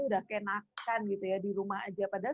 udah kenakan gitu ya di rumah aja padahal